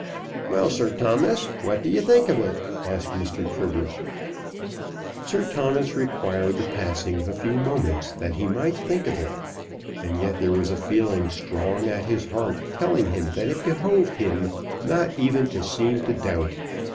"Well, Sir Thomas, what do you think of it?" asked Mr. Trigger. Sir Thomas required the passing of a few moments that he might think of it, and yet there was a feeling strong at his heart telling him that it behoved him not even to seem to doubt.